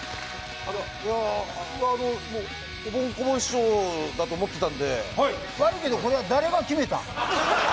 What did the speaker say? いやおぼん・こぼん師匠だと思ってたんで悪いけどこれは誰が決めたん？